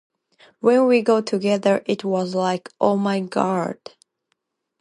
When we got together it was like, 'Oh, my God!